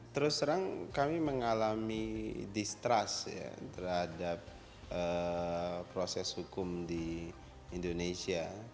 terus terang kami mengalami distrust terhadap proses hukum di indonesia